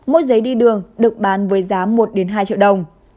mỗi giấy đi đường được bán với giá một hai triệu đồng